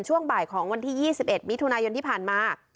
ช่วงบ่ายของวันที่๒๑มิถุนายนที่ผ่านมา